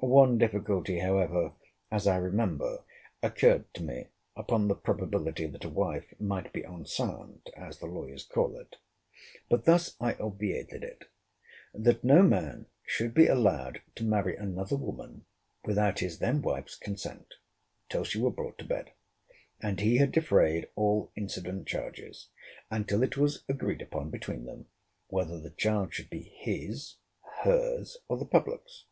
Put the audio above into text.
One difficulty, however, as I remember, occurred to me, upon the probability that a wife might be enceinte, as the lawyers call it. But thus I obviated it— That no man should be allowed to marry another woman without his then wife's consent, till she were brought to bed, and he had defrayed all incident charges; and till it was agreed upon between them whether the child should be his, her's, or the public's.